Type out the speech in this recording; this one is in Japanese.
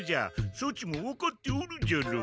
そちもわかっておるじゃろう。